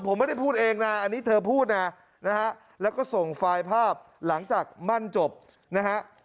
ผมไม่ได้พูดเองนะอันนี้เธอพูดนะนะฮะแล้วก็ส่งไฟล์ภาพหลังจากมั่นจบนะฮะ